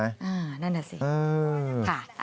อ้าวนั่นแหละสิ